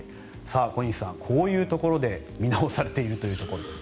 小西さん、こういうところで見直されているということです。